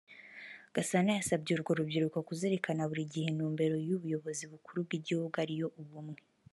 Gasana yasabye urwo rubyiruko kuzirikana buri gihe intumbero y’ubuyobozi bukuru bw’igihugu ari yo ’Ubumwe